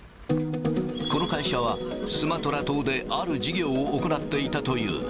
この会社は、スマトラ島である事業を行っていたという。